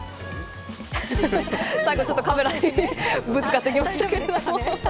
最後、ちょっとカメラにぶつかってきましたけど。